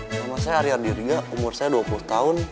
nama saya arya niriga umur saya dua puluh tahun